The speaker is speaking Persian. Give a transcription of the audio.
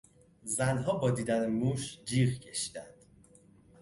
زنها با دیدن موش جیغ کشیدند.